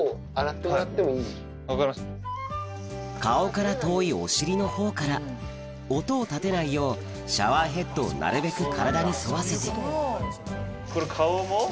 顔から遠いお尻のほうから音を立てないようシャワーヘッドをなるべく体に沿わせてこれ顔も？